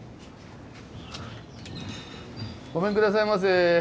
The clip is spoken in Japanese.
ごめん下さいませ。